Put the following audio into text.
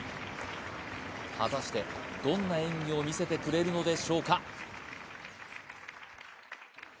果たしてどんな演技を見せてくれるのでしょうか？